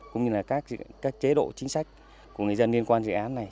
cũng như là các chế độ chính sách của người dân liên quan dự án này